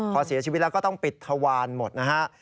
พอเสียชีวิตแล้วก็ต้องปิดทวารหมดนะฮะ